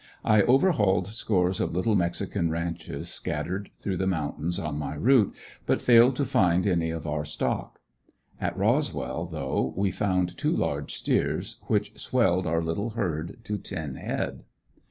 I overhauled scores of little mexican ranches scattered through the mountains on my route, but failed to find any of our stock. At Roswell though we found two large steers which swelled our little herd to ten head.